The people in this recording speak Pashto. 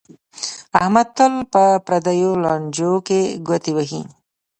احمد تل په پردیو لانجو کې گوتې وهي